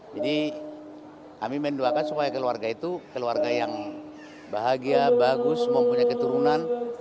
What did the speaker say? jadi kami mendoakan supaya keluarga itu keluarga yang bahagia bagus mempunyai keturunan